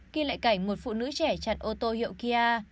ghi lại cảnh một phụ nữ trẻ chặt ô tô hiệu kia